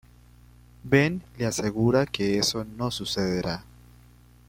Ben le asegura que eso no sucederá.